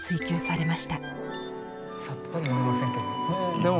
さっぱり読めませんけど。